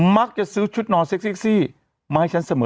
มักจะซื้อชุดนอนเซ็กซี่มาให้ฉันเสมอ